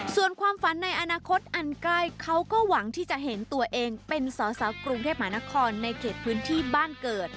ส่วนความฝันในอนาคตอันใกล้เขาก็หวังที่จะเห็นตัวเองเป็นสอสอกรุงเทพมหานครในเขตพื้นที่บ้านเกิด